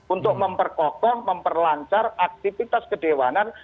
untuk memperkokoh memperlancar aktivitas kedewanan